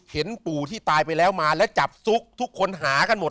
ปู่ที่ตายไปแล้วมาแล้วจับซุกทุกคนหากันหมด